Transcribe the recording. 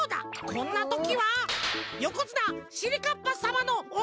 こんなときはよこづなしりかっぱさまのおなり！